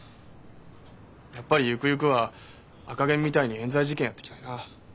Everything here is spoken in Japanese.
やっぱりゆくゆくは赤ゲンみたいに冤罪事件やっていきたいな。